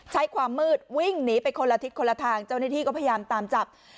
ใช้ความมืดวิ่งหนีไปคนละทิศคนละทางเจ้าหน้าที่ก็พยายามตามจับ